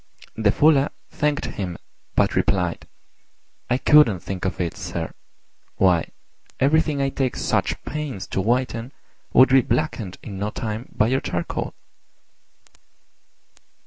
The Fuller thanked him, but replied, "I couldn't think of it, sir: why, everything I take such pains to whiten would be blackened in no time by your charcoal."